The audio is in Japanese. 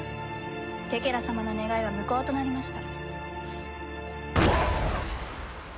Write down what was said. ケケラ様の願いは無効となりました。